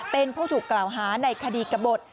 เป็นผู้ถูกกล่าวหาในคดีกระบด